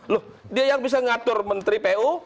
loh dia yang bisa ngatur menteri pu